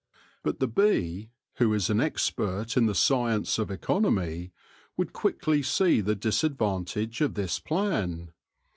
But the bee, who is an expert in the science of economy, would quickly see the disadvantage of this plan.